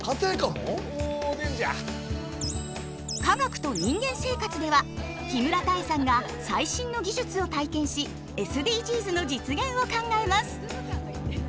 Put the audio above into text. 「科学と人間生活」では木村多江さんが最新の技術を体験しＳＤＧｓの実現を考えます。